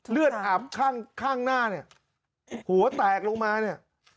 เลือดอาบข้างข้างหน้าเนี่ยหัวแตกลงมาเนี่ย